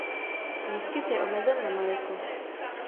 Výskyt je omezen na Maroko.